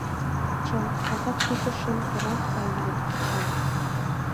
Чын, казак тӱча шемкорак гай улыт, чын...